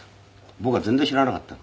僕は全然知らなかったの。